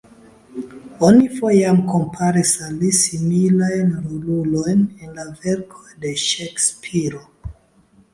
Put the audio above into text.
Oni foje jam komparis al li similajn rolulojn en la verkoj de Ŝekspiro.